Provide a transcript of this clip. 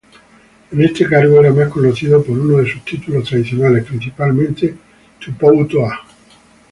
En ese cargo, era más conocido por uno de sus títulos tradicionales, principalmente 'Tupoutoʻa'.